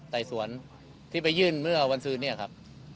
ไต่สวนที่ไปยื่นเมื่อวันซื้อเนี่ยครับ